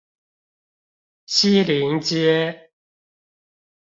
西陵街